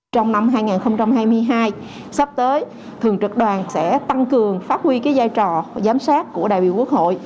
trong năm hai nghìn hai mươi hai sắp tới thường trực đoàn sẽ tăng cường phát huy giai trò giám sát của đại biểu quốc hội